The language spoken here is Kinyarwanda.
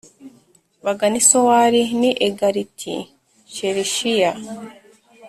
bagana i Sowari n’i Egalati‐Shelishiya.